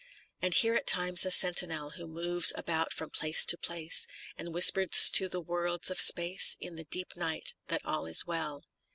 And hear at times a sentinel Who moves about from place to place, And whispers to the worlds of space. In the deep night, that aU is well.